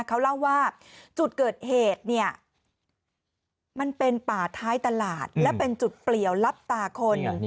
เขาเล่าว่าจุดเกิดเหตุเนี่ยมันเป็นป่าท้ายตลาดและเป็นจุดเปลี่ยวลับตาคน